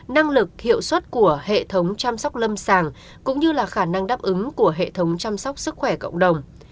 năng lực hiệu suất của hệ thống chăm sóc lâm sàng cũng như là khả năng đáp ứng của hệ thống chăm sóc sức khỏe cộng đồng